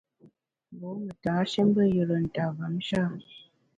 Mbô me tashé mbe yùre nta mvom sha ?